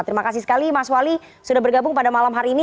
terima kasih sekali mas wali sudah bergabung pada malam hari ini